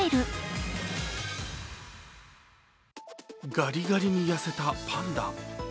ガリガリに痩せたパンダ。